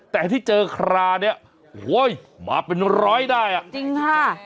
แต่ที่เจอคราเนี่ยโอ้โหมาเป็นร้อยได้อ่ะจริงค่ะ